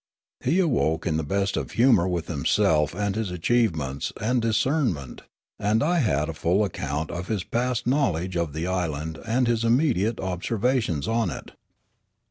He awoke in the best of humour with himself and his achiev^ements and discernment, and I had a full account of his past know ledge of the island and his immediate observations on it.